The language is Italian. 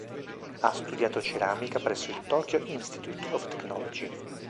Ha studiato ceramica presso il Tokyo Institute of Technology.